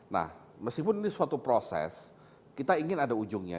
nah meskipun ini suatu proses kita ingin ada ujungnya